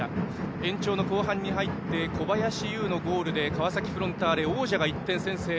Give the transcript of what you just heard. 延長の後半に入って小林悠のゴールで川崎フロンターレ王者が１点先制。